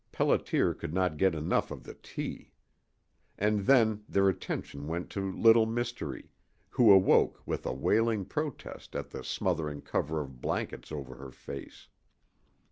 Pelliter could not get enough of the tea. And then their attention went to Little Mystery, who awoke with a wailing protest at the smothering cover of blankets over her face.